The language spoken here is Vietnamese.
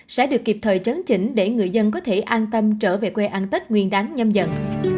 sẽ được kịp thời chấn chỉnh để người dân có thể an tâm trở về quê ăn tết nguyên đáng nhâm dần